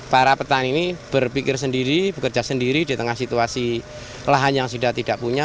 para petani ini berpikir sendiri bekerja sendiri di tengah situasi lahan yang sudah tidak punya